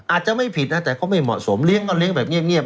อาจจะไม่ผิดนะแต่เขาไม่เหมาะสมเลี้ยงก็เลี้ยงแบบเงียบ